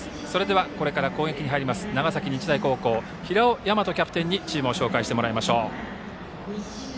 これから攻撃に入る長崎日大高校の平尾大和キャプテンにチームを紹介してもらいましょう。